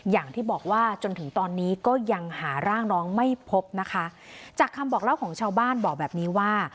อย่างที่บอกว่าจนถึงตอนนี้ก็ยังหาร่างน้องไม่พบนะคะจากคำบอกเล่าของชาวบ้านบอกแบบนี้ว่า